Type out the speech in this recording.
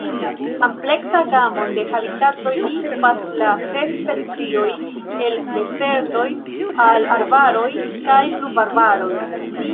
Ampleksa gamon de habitatoj okupas la ses specioj, el dezertoj al arbaroj kaj pluvarbaroj.